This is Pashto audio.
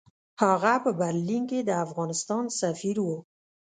هغه په برلین کې د افغانستان سفیر وو.